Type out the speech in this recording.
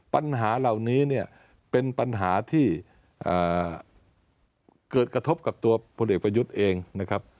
ปัญหาเหล่านี้เนี่ยเป็นปัญหาที่เกิดกระทบกับตัวพลเอกประยุทธ์เองนะครับ